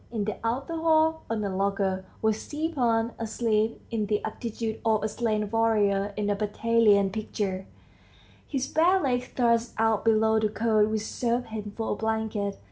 In the outer hall, on a locker, was Stepan asleep in the attitude of a slain warrior in a battalion picture, his bare legs thrust out below the coat which served him for a blanket.